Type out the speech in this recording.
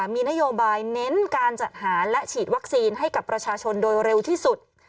มีนโยบายเน้นการจัดหาและฉีดวัคซีนให้กับประชาชนโดยเร็วที่สุด